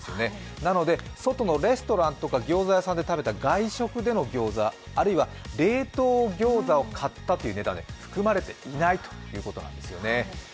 なので、外のレストランとかギョーザ屋さんで食べた外食でのギョーザ、あるいは冷凍ギョーザを買ったというのは含まれていないということなんですよね。